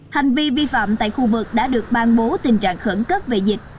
hành vi vi phạm tại khu vực đã được ban bố tình trạng khẩn cấp về dịch